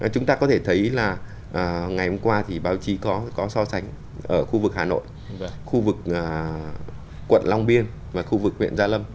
chúng ta có thể thấy là ngày hôm qua thì báo chí có so sánh ở khu vực hà nội và khu vực quận long biên và khu vực huyện gia lâm